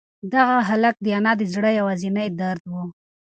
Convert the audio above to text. دغه هلک د انا د زړه یوازینۍ درد و.